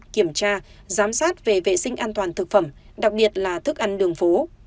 kiểm tra giám sát về vệ sinh an toàn thực phẩm đặc biệt là thức ăn đường phố